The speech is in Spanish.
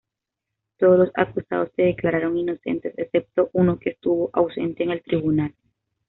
Todos los acusados se declararon inocentes excepto uno que estuvo ausente en el tribunal.